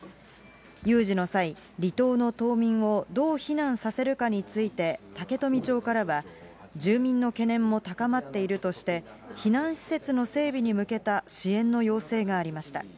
有事の際、離島の島民をどう避難させるかについて、竹富町からは、住民の懸念も高まっているとして、避難施設の整備に向けた支援の要請がありました。